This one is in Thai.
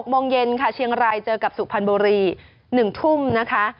โมงเย็นค่ะเชียงรายเจอกับสุพรรณบุรี๑ทุ่มนะคะ